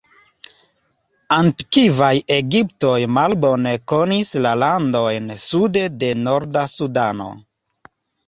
Antikvaj Egiptoj malbone konis la landojn sude de norda Sudano.